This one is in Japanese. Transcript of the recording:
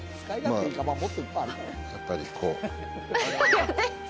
やっぱりこう。